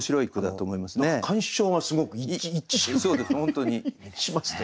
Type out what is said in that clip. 鑑賞がすごく一致しますね。